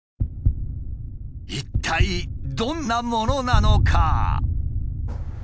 一体どんなものなのか？